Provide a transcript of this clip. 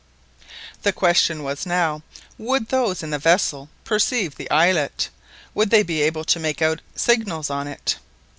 The question now was, would those in this vessel perceive the islet? Would they be able to make out signals on it?